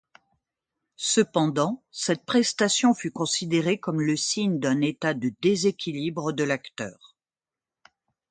Cependant, cette prestation fut considérée comme le signe d'un état de déséquilibre de l'acteur.